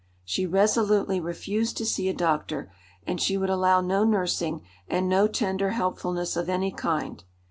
She resolutely refused to see a doctor, and she would allow no nursing and no tender helpfulness of any kind.